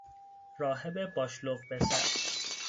راهب باشلق به سر